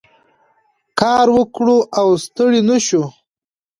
کار وکړو او ستړي نه شو.